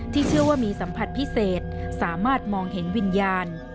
เชื่อว่ามีสัมผัสพิเศษสามารถมองเห็นวิญญาณ